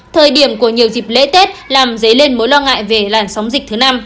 thời điểm của nhiều dịp lễ tết làm dấy lên mối lo ngại về làn sóng dịch thứ năm